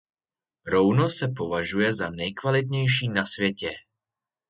Rouno se považuje za nejkvalitnější na světě.